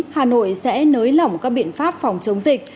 hà nội sẽ nới lỏng các biện pháp phòng chống dịch